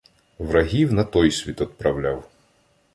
Врагів на той світ одправляв.